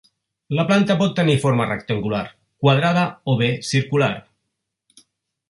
La planta pot tenir forma rectangular, quadrada o bé circular.